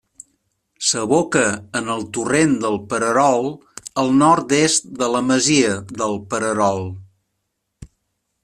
S'aboca en el torrent del Pererol al nord-est de la masia del Pererol.